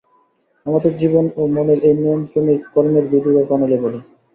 আমাদের জীবনও মনের এই নিয়ন্ত্রণকেই কর্মের বিধি বা প্রণালী বলে।